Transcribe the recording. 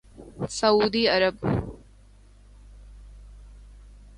سعودی عرب